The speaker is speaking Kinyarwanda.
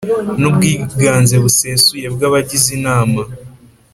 n ubwiganze busesuye bw abagize Inama